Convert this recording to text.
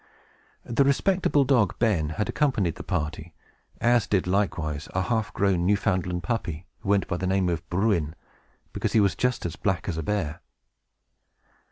The respectable dog Ben had accompanied the party, as did likewise a half grown Newfoundland puppy, who went by the name of Bruin, because he was just as black as a bear.